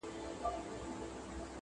د هر چا به وي لاسونه زما ګرېوان کي،